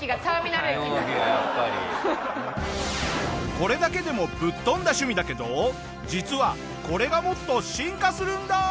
これだけでもぶっ飛んだ趣味だけど実はこれがもっと進化するんだ！